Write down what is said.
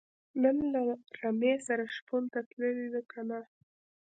نن له رمې سره شپون تللی دی که نۀ